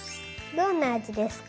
どんなあじですか？